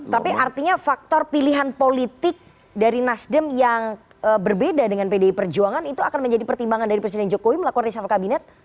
tapi artinya faktor pilihan politik dari nasdem yang berbeda dengan pdi perjuangan itu akan menjadi pertimbangan dari presiden jokowi melakukan reshuff kabinet